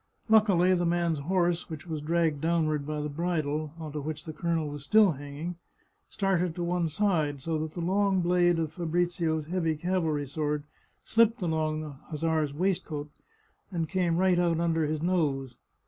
Luckily the man's horse, which was dragged downward by the bridle, on to which the colonel was still hanging, started to one side, so that the long blade of Fa brizio's heavy cavalry sword slipped along the hussar's waistcoat and came right out under his nose.